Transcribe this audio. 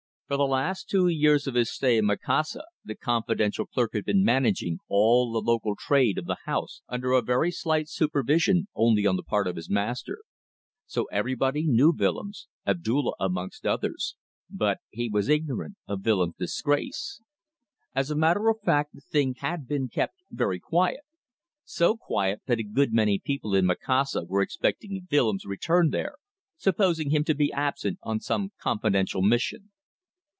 For the last two years of his stay in Macassar the confidential clerk had been managing all the local trade of the house under a very slight supervision only on the part of the master. So everybody knew Willems, Abdulla amongst others but he was ignorant of Willems' disgrace. As a matter of fact the thing had been kept very quiet so quiet that a good many people in Macassar were expecting Willems' return there, supposing him to be absent on some confidential mission.